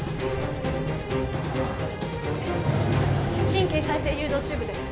神経再生誘導チューブです。